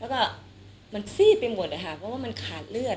แล้วก็มันซีดไปหมดนะคะเพราะว่ามันขาดเลือด